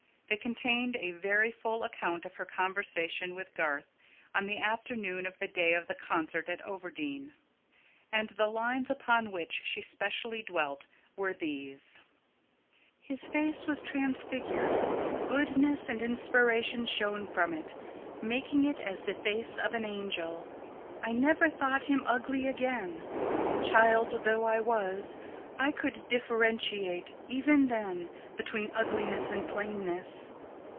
They contained a very full account of her conversation with Garth on the afternoon of the day of the concert at Overdene; and the lines upon which she specially dwelt were these: "His face was transfigured.... Goodness and inspiration shone from it, making it as the face of an angel.... I never thought him ugly again. Child though I was, I could differentiate even then between ugliness and plainness.